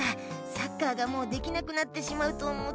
サッカーがもうできなくなってしまうと思って。